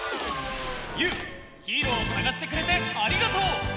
ゆうヒーローをさがしてくれてありがとう！